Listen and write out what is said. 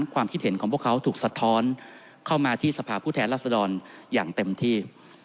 ความคิดเห็นของพวกเขาถูกสะท้อนเข้ามาที่สภาพผู้แทนรัศดรอย่างเต็มที่